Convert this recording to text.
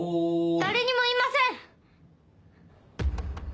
・誰にも言いません！